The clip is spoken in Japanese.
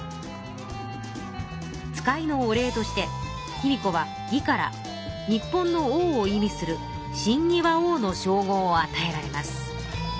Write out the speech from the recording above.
使いのお礼として卑弥呼は魏から日本の王を意味する親魏倭王のしょう号をあたえられます。